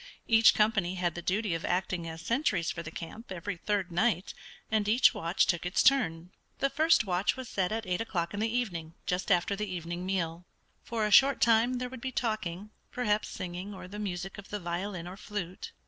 Each company had the duty of acting as sentries for the camp every third night, and each watch took its turn. The first watch was set at eight o'clock in the evening, just after the evening meal. For a short time there would be talking, perhaps singing, or the music of the violin or flute.